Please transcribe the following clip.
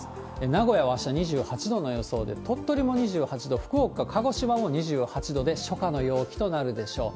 名古屋はあした２８度の予想で、鳥取も２８度、福岡、鹿児島も２８度で、初夏の陽気となるでしょう。